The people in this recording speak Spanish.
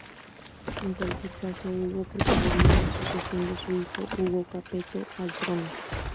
En cualquier caso, Hugo prepararía la sucesión de su hijo Hugo Capeto al trono.